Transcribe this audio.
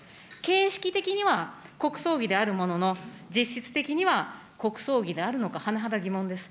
形式的には国葬儀であるものの、実質的には国葬儀であるのか、はなはだ疑問です。